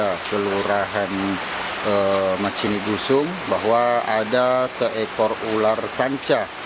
di gelorahan macini gusung bahwa ada seekor ular sancah